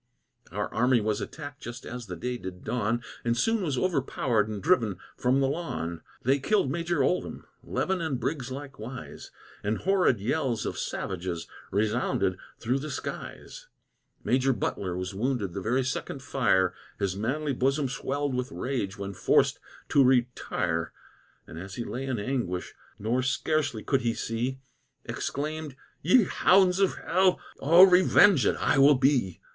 Our army was attacked just as the day did dawn, And soon was overpowered and driven from the lawn. They killed Major Ouldham, Levin and Briggs likewise, And horrid yells of savages resounded through the skies. Major Butler was wounded the very second fire; His manly bosom swell'd with rage when forc'd to retire; And as he lay in anguish, nor scarcely could he see, Exclaim'd, "Ye hounds of hell! Oh, revenged I will be!"